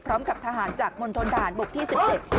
พร้อมกับทหารจากมณฑนทหารบกที่สิบเจ็ด